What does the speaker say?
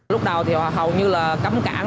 lúc đầu thì họ hầu như là cấm cản